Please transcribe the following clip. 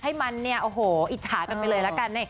ให้มันเนี่ยโอ้โหอิจฉากันไปเลยละกัน